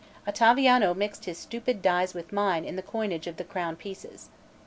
Ottaviano mixed his stupid dies with mine in the coinage of crown pieces.